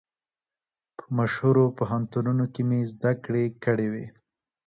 په مشهورو پوهنتونو کې مې زده کړې کړې وې.